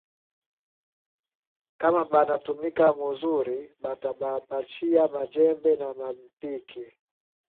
Kama bana tumika muzuri, bata ba pachiya ma jembe na ma mpiki